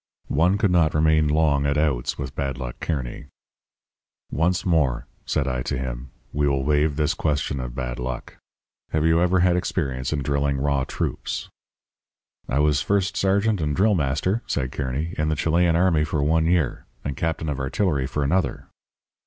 "One could not remain long at outs with Bad Luck Kearny. "'Once more,' said I to him, 'we will waive this question of luck. Have you ever had experience in drilling raw troops?' "'I was first sergeant and drill master,' said Kearny, 'in the Chilean army for one year. And captain of artillery for another.'